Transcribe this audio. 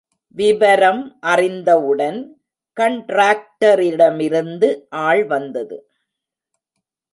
விபரம் அறிந்தவுடன் கண்ட்ராக்டரிடமிருந்து ஆள் வந்தது.